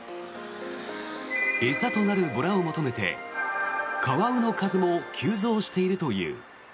餌となるボラを求めてカワウの数も急増しているという。